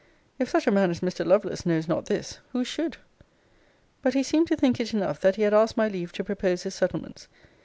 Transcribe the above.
If such a man as Mr. Lovelace knows not this, who should? But he seemed to think it enough that he had asked my leave to propose his settlements.